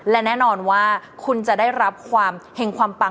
และแน่นอนว่าคุณจะได้รับความเห็งความปัง